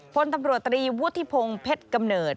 พลตำรวจตรีวุฒิพงศ์เพชรกำเนิด